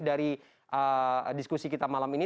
dari diskusi kita malam ini